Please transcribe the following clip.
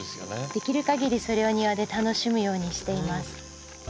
できるかぎりそれを庭で楽しむようにしています。